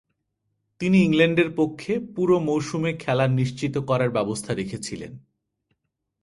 তিনি ইংল্যান্ডের পক্ষে পুরো মৌসুমে খেলা নিশ্চিত করার ব্যবস্থা রেখেছিলেন।